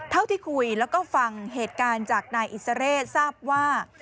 เท่าที่คุยแล้วก็ฟังเหตุการณ์จากนายอิสระเรศทราบว่า